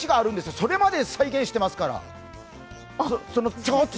それまで再現していますから。